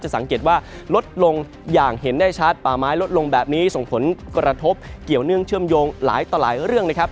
สังเกตว่าลดลงอย่างเห็นได้ชัดป่าไม้ลดลงแบบนี้ส่งผลกระทบเกี่ยวเนื่องเชื่อมโยงหลายต่อหลายเรื่องนะครับ